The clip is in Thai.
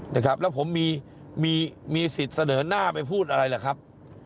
นะครับแล้วผมมีมีสิทธิ์เสนอหน้าไปพูดอะไรล่ะครับ